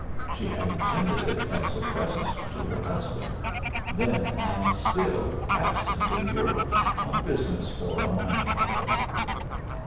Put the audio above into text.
She had intended it as a present to her husband, then and still absent in Europe on business for a mining company.